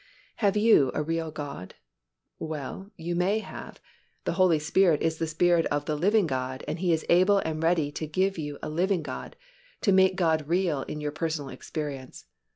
Have you a real God? Well, you may have. The Holy Spirit is the Spirit of the living God, and He is able and ready to give to you a living God, to make God real in your personal experience.